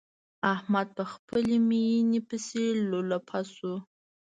احمد په خپلې ميينې پسې لولپه شو.